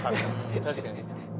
確かに。